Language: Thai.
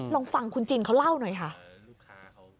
ลองฟังคุณจินเขาเล่าหน่อยค่ะ